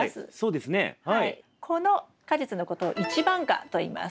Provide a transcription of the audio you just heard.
この果実のことを一番果といいます。